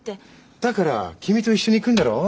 だから君と一緒に行くんだろ？